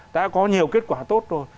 đã có nhiều kết quả tốt rồi